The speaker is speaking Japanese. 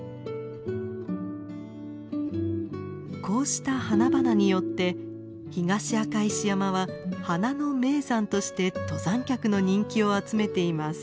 こうした花々によって東赤石山は花の名山として登山客の人気を集めています。